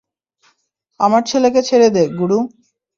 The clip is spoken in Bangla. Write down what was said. আমার ছেলেকে ছেড়ে দে, গুরু।